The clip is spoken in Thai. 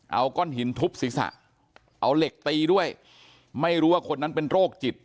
เอาก้อนหินทุบศีรษะเอาเหล็กตีด้วยไม่รู้ว่าคนนั้นเป็นโรคจิต